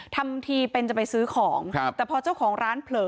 ทำทีเป็นจะไปซื้อของครับแต่พอเจ้าของร้านเผลอ